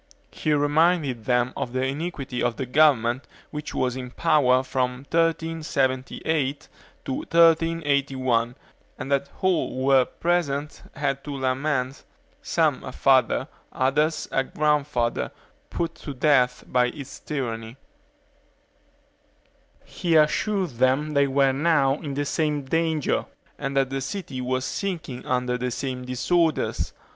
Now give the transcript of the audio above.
He reminded them of the iniquity of the government which was in power from 1378 to 1381, and that all who were then present had to lament, some a father, others a grandfather, put to death by its tyranny. He assured them they were now in the same danger, and that the city was sinking under the same disorders.